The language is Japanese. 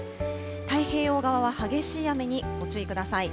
太平洋側は激しい雨にご注意ください。